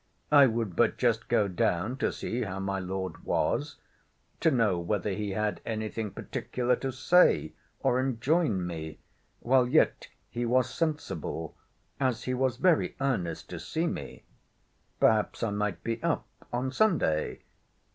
I would but just go down to see how my Lord was—to know whether he had any thing particular to say, or enjoin me, while yet he was sensible, as he was very earnest to see me: perhaps I might be up on Sunday.